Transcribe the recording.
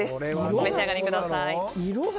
お召し上がりください。